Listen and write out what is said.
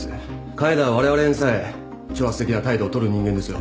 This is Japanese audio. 金田はわれわれにさえ挑発的な態度を取る人間ですよ。